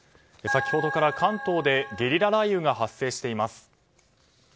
先ほどから関東でゲリラ雷雨が発生しています。